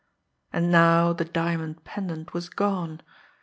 And now the diamond pendant was gone!